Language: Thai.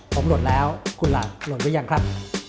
ผมหล่นแล้วคุณหลักหล่นไว้ยังครับ